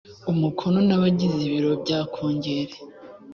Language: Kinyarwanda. umukono n abagize ibiro bya kongere